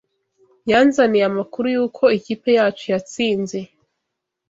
Yanzaniye amakuru yuko ikipe yacu yatsinze.